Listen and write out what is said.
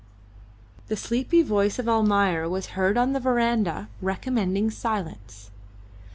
The sleepy voice of Almayer was heard on the verandah recommending silence.